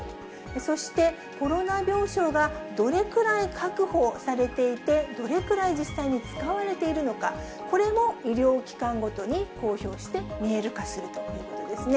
そしてコロナ病床がどれくらい確保されていて、どれくらい実際に使われているのか、これも医療機関ごとに公表して見える化するということですね。